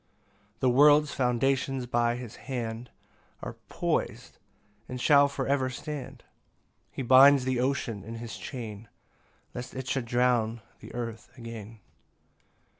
4 The world's foundations by his hand Are pois'd, and shall for ever stand; He binds the ocean in his chain, Lest it should drown the earth again.